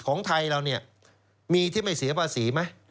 ของไทยเราเนี่ยมีที่ไม่เสียภาษีไหม